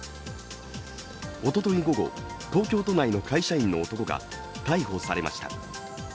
おととい午後、東京都内の会社員の男が逮捕されました。